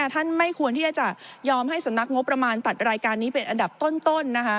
ไม่ควรที่จะยอมให้สำนักงบประมาณตัดรายการนี้เป็นอันดับต้น